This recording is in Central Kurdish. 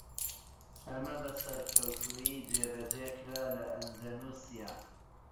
ئەمە بە سەرکەوتوویی جێبەجێکرا لە ئەندەنوسیا.